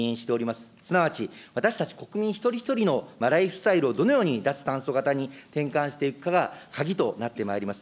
すなわち、私たち国民一人一人のライフスタイルをどのように、脱炭素型に転換していくかが鍵となってまいります。